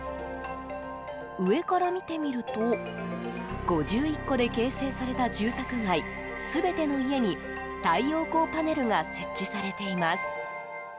上から見てみると５１戸で形成された住宅街全ての家に太陽光パネルが設置されています。